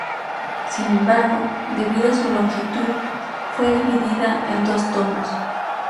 Sin embargo, debido a su longitud, fue dividida en dos tomos.